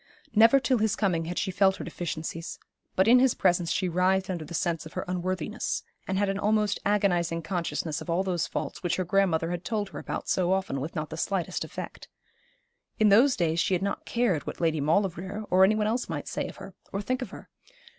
Never till his coming had she felt her deficiencies; but in his presence she writhed under the sense of her unworthiness, and had an almost agonising consciousness of all those faults which her grandmother had told her about so often with not the slightest effect. In those days she had not cared what Lady Maulevrier or any one else might say of her, or think of her.